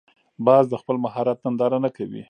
باز د خپل مهارت ننداره نه کوي